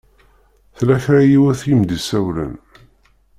Tella kra n yiwet i m-d-isawlen.